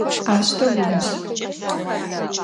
Aşteu vumış'!